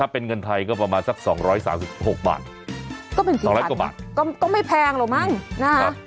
ถ้าเป็นเงินไทยก็ประมาณสัก๒๓๖บาท๒๐๐กว่าบาทก็เป็นสีสันไม่แพงหรอกมั้งนะฮะ